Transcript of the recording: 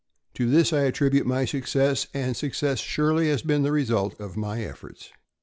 To this I attribute my success, and success surely has been the result of my efforts.